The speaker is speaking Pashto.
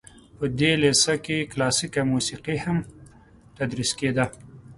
په دې لیسه کې کلاسیکه موسیقي هم تدریس کیده.